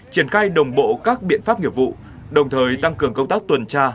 triển khai đồng bộ các biện pháp nghiệp vụ đồng thời tăng cường công tác tuần tra